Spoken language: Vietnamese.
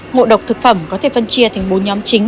ngộ độc thực phẩm có thể phân chia thành bốn nhóm chính